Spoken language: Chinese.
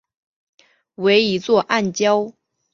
为一座暗礁。